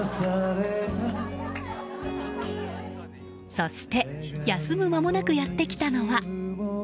そして休む間もなくやってきたのは。